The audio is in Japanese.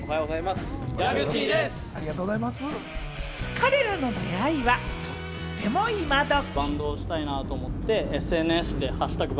彼らの出会いはとってもイマドキ。